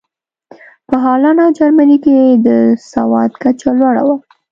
په هالنډ او جرمني کې د سواد کچه لوړه وه.